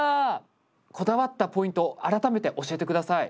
こだわったポイント改めて教えて下さい。